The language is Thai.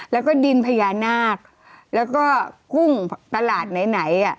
แล้วก็ดินพญานาคแล้วก็กุ้งตลาดไหนอ่ะ